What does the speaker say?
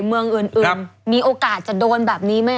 เมืองอื่นมีโอกาสจะโดนแบบนี้ไหม